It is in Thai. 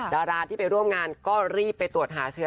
ดาราที่ไปร่วมงานก็รีบไปตรวจหาเชื้อ